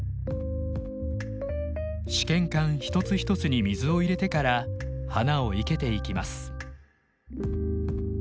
試験管一つ一つに水を入れてから花を生けていきます。